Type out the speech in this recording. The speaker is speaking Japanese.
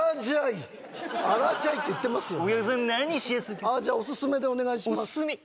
今日じゃあオススメでお願いしますオススメ？